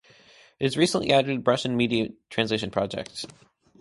It has recently added a Russian media translation project.